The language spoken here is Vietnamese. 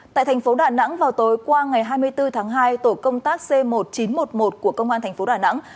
tại thành phố đà nẵng vào tối qua ngày hai mươi bốn tháng hai tổ công tác c một nghìn chín trăm một mươi một của công an thành phố đà nẵng